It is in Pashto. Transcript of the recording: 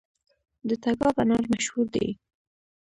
د تګاب انار مشهور دي